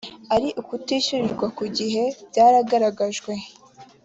ari ukutishyurirwa ku gihe byagaragajwe